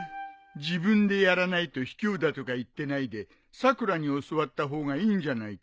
自分でやらないとひきょうだとか言ってないでさくらに教わった方がいいんじゃないか。